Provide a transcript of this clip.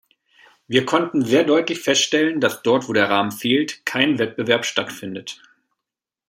Wir konnten sehr deutlich feststellen, dass dort, wo der Rahmen fehlt, kein Wettbewerb stattfindet.